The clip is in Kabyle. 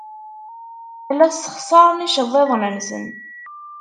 La ssexṣaren iceḍḍiḍen-nsen.